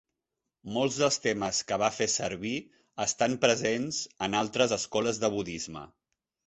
Molts dels temes que va fer servir estan presents en altres escoles de budisme.